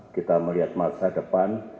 kita melihat masa depan